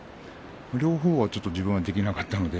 両方はちょっと自分はできなかったので。